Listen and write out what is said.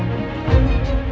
gimana sih pak